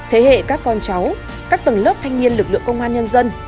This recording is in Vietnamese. thế hệ các con cháu các tầng lớp thanh niên lực lượng công an nhân dân